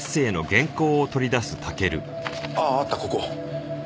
あっあったここ。